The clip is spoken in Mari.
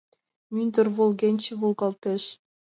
Мӱндыр волгенчет волгалтеш